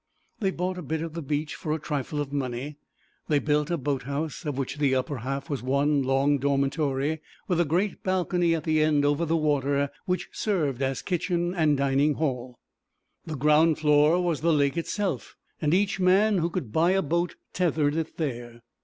They bought a bit of the beach for a trifle of money. They built a boat house, of which the upper half was one long dormitory, with a great balcony at the end over the water which served as kitchen and dining hall. The ground floor was the lake itself, and each man who could buy a boat tethered it there.